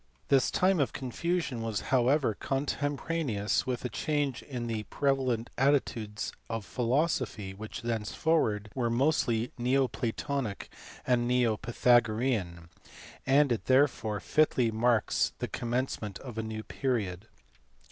This time of confusion was however contempo raneous with a change in the prevalent views of philosophy which thenceforward were mostly neo platonic or neo pytha gorean, and it therefore fitly marks the commencement of a new period.